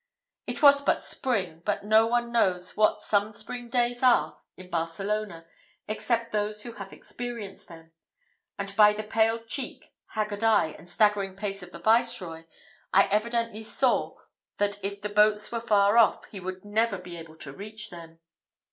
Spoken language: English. It was but spring, but no one knows what some spring days are at Barcelona, except those who have experienced them; and by the pale cheek, haggard eye, and staggering pace of the Viceroy, I evidently saw that if the boats were far off, he would never be able to reach them.